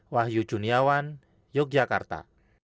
wahyu juniawan yogyakarta